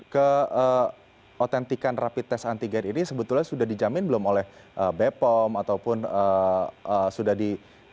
keautentikan rapi tes antigen ini sebetulnya sudah dijamin belum oleh bepom ataupun sudah di